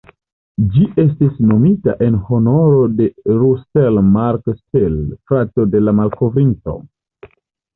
Ĝi estis nomita en honoro de "Russell Mark Steel", frato de la malkovrinto.